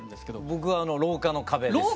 僕はあの廊下の壁です。